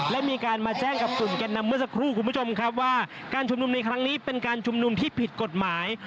และมีการมาแจ้งกับกลุ่มแก่นนำเมื่อสักครู่คุณผู้ชมครับว่าการชุมนุมในครั้งนี้เป็นการชุมนุมที่ผิดกฎหมาย